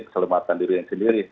keselamatan diri yang sendiri